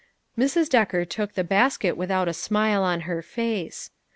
Mrs. Decker took the basket without a smile on her face.